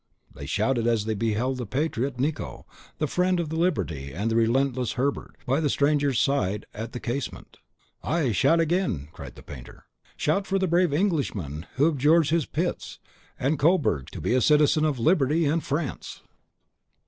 They shouted as they beheld the patriot Nicot, the friend of Liberty and relentless Hebert, by the stranger's side, at the casement. "Ay, shout again!" cried the painter, "shout for the brave Englishman who abjures his Pitts and his Coburgs to be a citizen of Liberty and France!"